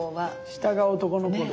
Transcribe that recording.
下が男の子で。